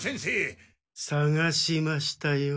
さがしましたよ。